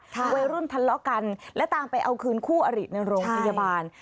ใช่ไว้รุ่นทันละกันและตามไปเอาคืนคู่อริตในโรงพยาบาลใช่